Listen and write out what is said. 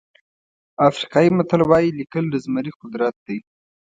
افریقایي متل وایي لیکل د زمري قدرت دی.